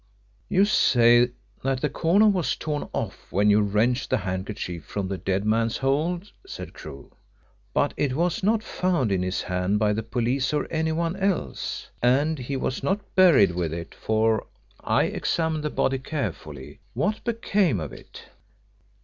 "You say that the corner was torn off when you wrenched the handkerchief from the dead man's hold?" said Crewe. "But it was not found in his hand by the police or anyone else. And he was not buried with it, for I examined the body carefully. What became of it?"